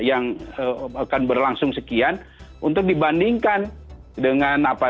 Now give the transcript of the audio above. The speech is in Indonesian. yang akan berlangsung sekian untuk dibandingkan dengan apa